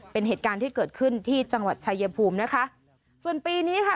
เป็นเหตุการณ์ที่เกิดขึ้นที่จังหวัดชายภูมินะคะส่วนปีนี้ค่ะ